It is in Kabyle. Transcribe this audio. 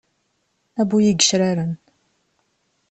A bu yigecraren.